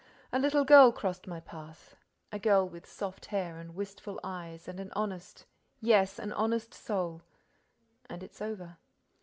A little girl crossed my path, a girl with soft hair and wistful eyes and an honest, yes, an honest soul—and it's over.